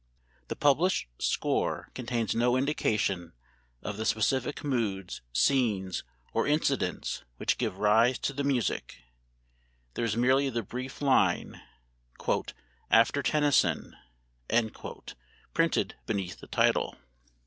The published score contains no indication of the specific moods, scenes, or incidents which gave rise to the music; there is merely the brief line: "After Tennyson," printed beneath the title.